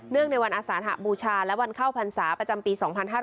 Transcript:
เนื่องในวันอสาธะบูชาและวันเข้าพรรษาประจำปี๒๕๖๓